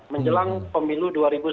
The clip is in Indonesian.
menjelang pemilu dua ribu sembilan belas